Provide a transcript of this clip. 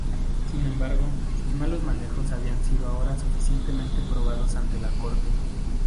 Sin embargo, sus malos manejos habían sido ahora suficientemente probados ante la Corte.